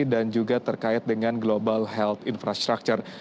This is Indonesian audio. dan juga terkait dengan global health infrastructure